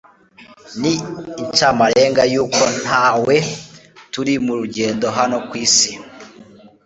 ni incamarenga y'uko natwe turi mu rugendo hano ku isi